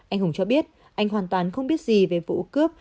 anh hùng cho biết anh hoàn toàn không biết gì về vụ cướp